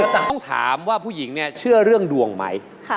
แต่ต้องถามว่าผู้หญิงเนี่ยเชื่อเรื่องดวงไหม